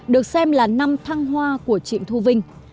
được xem là năm thăng hoa của trịnh thu vinh